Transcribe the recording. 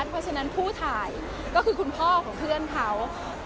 เพราะฉะนั้นผู้ถ่ายก็คือคุณพ่อของเพื่อนเขา